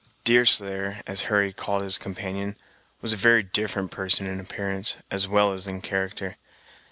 Deerslayer, as Hurry called his companion, was a very different person in appearance, as well as in character.